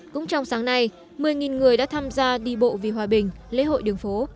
cũng trong sáng nay một mươi người đã tham gia đi bộ vì hòa bình lễ hội đường phố